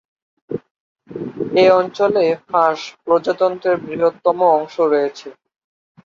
এ অঞ্চলে ফাঁস প্রজাতন্ত্রের বৃহত্তম অংশ রয়েছে।